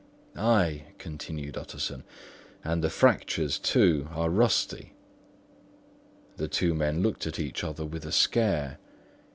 "Ay," continued Utterson, "and the fractures, too, are rusty." The two men looked at each other with a scare.